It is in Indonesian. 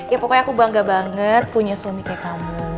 ya pokoknya aku bangga banget punya suami kayak kamu